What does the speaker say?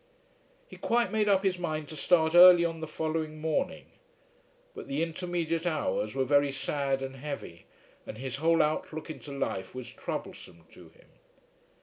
He quite made up his mind to start early on the following morning; but the intermediate hours were very sad and heavy, and his whole outlook into life was troublesome to him.